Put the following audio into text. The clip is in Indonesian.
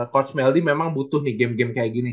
coach meldi memang butuh nih game game kayak gini